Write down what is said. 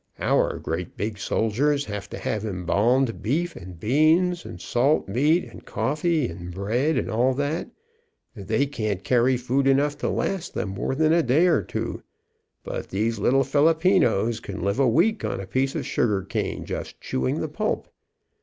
Our great big soldiers have to have embalmed beef, and beans, and salt meat, and coffee, and bread, and all that, and they can't carry food enough to last them more than a day or two, but these little Filipinos can live a week on a piece of sugar cane, just chewing the pulp.